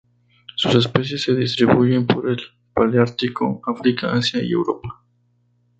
Sus especies se distribuyen por el paleártico: África, Asia y Europa.